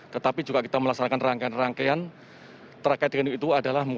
tetapi juga kita melaksanakan rangkaian rangkaian terkait dengan itu adalah